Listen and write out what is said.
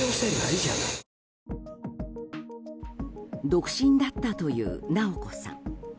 独身だったという直子さん。